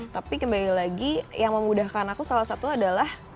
tapi kembali lagi yang memudahkan aku salah satu adalah